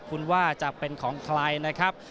คุณว่าจะเป็นของใครนะครับ